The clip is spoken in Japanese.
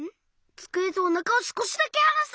「つくえとおなかをすこしだけはなす」！